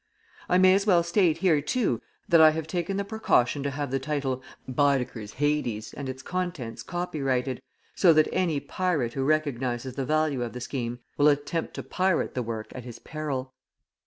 I may as well state here, too, that I have taken the precaution to have the title "Baedeker's Hades" and its contents copyrighted, so that any pirate who recognizes the value of the scheme will attempt to pirate the work at his peril.